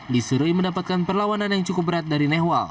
li surui mendapatkan perlawanan yang cukup berat dari nehwal